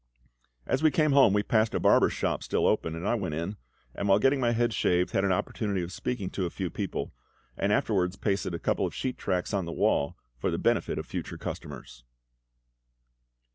As we came home we passed a barber's shop still open, and I went in, and while getting my head shaved had an opportunity of speaking to a few people, and afterwards pasted a couple of sheet tracts on the wall for the benefit of future customers.